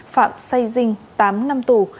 phạm xây dinh tám năm tù